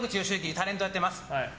タレントやってます。